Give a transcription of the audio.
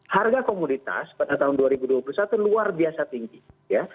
harga komoditas pada tahun dua ribu dua puluh satu luar biasa tinggi ya